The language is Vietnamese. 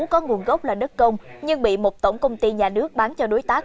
có nguồn gốc là đất công nhưng bị một tổng công ty nhà nước bán cho đối tác